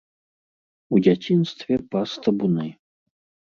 У дзяцінстве пас табуны.